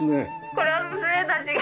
これは娘たちが。